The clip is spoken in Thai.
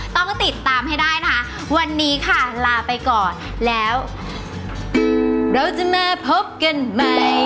ต้องติดตามให้ได้นะคะวันนี้ค่ะลาไปก่อนแล้วเราจะมาพบกันใหม่